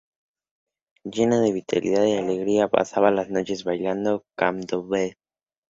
Llena de vitalidad y alegría pasaba las noches bailando candombe.